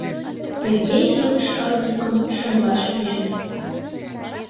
Тыге илыш азбукым шымлаш пижын.